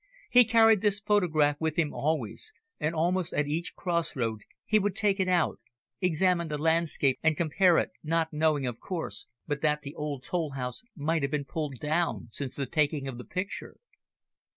He carried this photograph with him always, and almost at each crossroad he would take it out, examine the landscape and compare it, not knowing, of course, but that the old toll house might have been pulled down since the taking of the picture."